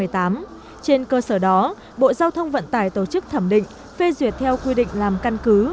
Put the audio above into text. trên cơ sở đó bộ giao thông vận tải tổ chức thẩm định phê duyệt theo quy định làm căn cứ